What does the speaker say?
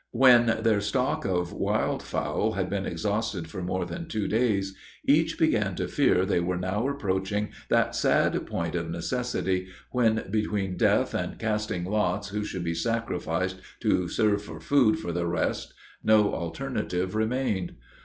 When their stock of wild fowl had been exhausted for more than two days, each began to fear they were now approaching that sad point of necessity, when, between death and casting lots who should be sacrificed to serve for food for the rest, no alternative remained.